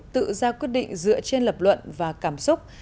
tự ra quyết định dựa trên lập luận và cảm xúc